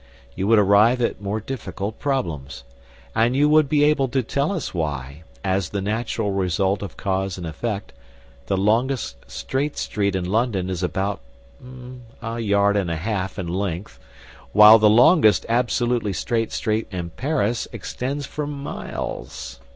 You would arrive at more difficult problems. And you would be able to tell us why, as the natural result of cause and effect, the longest straight street in London is about a yard and a half in length, while the longest absolutely straight street in Paris extends for miles.